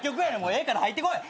ええから入ってこい。